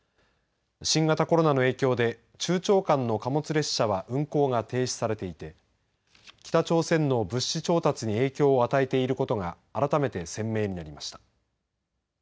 新型コロナの影響で中朝間の貨物列車は運行が停止されていて北朝鮮の物資調達に影響を与えていることが改めて鮮明になりました。